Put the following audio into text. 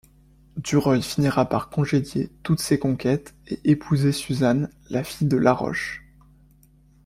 Duroy finira par congédier toutes ses conquêtes et épouser Suzanne, la fille de Laroche.